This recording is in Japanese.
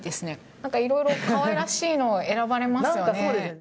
なんかいろいろかわいらしいの、選ばれますよね。